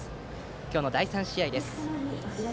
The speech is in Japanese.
今日の第３試合です。